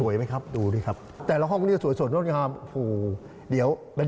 อันนี้นะครับเรกจะแถงแค่อันก็ออกไปเลยครับ